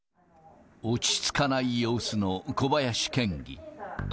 落ち着かない様子の小林県議。